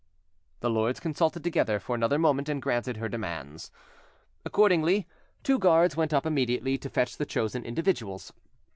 The lords consulted together for another moment, and granted her demands. Accordingly, two guards went up immediately to fetch the chosen individuals.